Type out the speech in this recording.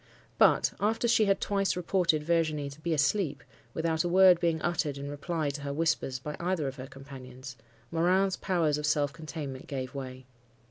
But, after she had twice reported Virginie to be asleep, without a word being uttered in reply to her whispers by either of her companions, Morin's powers of self containment gave way.